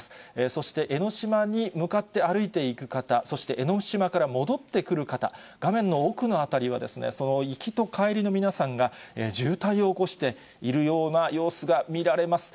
そして江の島に向かって歩いていく方、そして江の島から戻ってくる方、画面の奥の辺りは、その行きと帰りの皆さんが、渋滞を起こしているような様子が見られます。